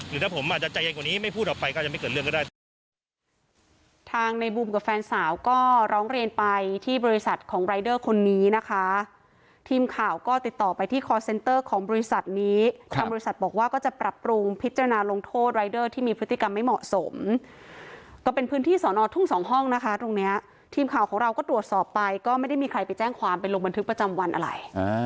หรือถ้าผมอาจจะใจเย็นกว่านี้ไม่พูดออกไปก็ยังไม่เกิดเรื่องก็ได้